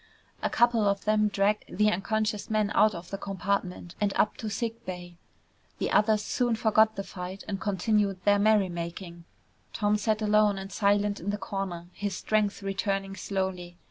A couple of them dragged the unconscious man out of the compartment and up to sick bay. The others soon forgot the fight and continued their merrymaking. Tom sat alone and silent in the corner, his strength returning slowly.